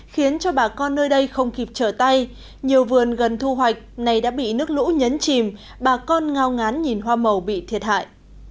khiến cho bà con nơi đây không kịp trở tay nhiều vườn gần thu hoạch này đã bị nước lũ nhấn chìm bà con ngao ngán nhìn hoa màu bị thiệt hại